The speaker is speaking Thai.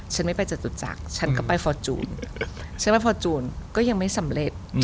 ฉันไม่ไปจตุจักรฉันก็ไปฟอร์จูนฉันไปฟอร์จูนก็ยังไม่สำเร็จ